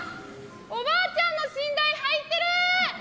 おばあちゃんの新台入ってる！